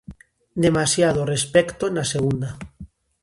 Demasiado respecto na segunda.